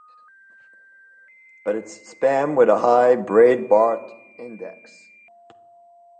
But it’s spam with a high Breidbart Index.